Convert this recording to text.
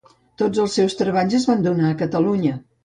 Tots els seus treballs es van donar a Catalunya.